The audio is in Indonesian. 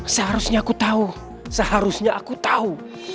seharusnya aku tahu seharusnya aku tahu